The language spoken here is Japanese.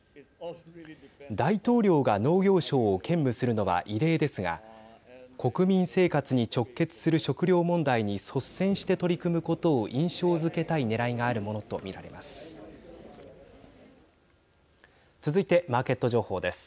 大統領が農業相を兼務するのは異例ですが国民生活に直結する食料問題に率先して取り組むことを印象づけたいねらいがあるものと見られます。